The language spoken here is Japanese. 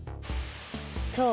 そう！